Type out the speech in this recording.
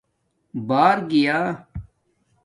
بار گیا